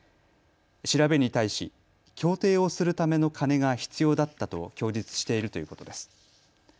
調べに対し競艇をするための金が必要だったと供述しているということです。